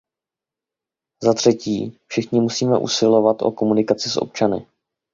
Za třetí, všichni musíme usilovat o komunikaci s občany.